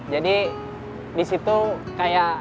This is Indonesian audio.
jadi di situ kayak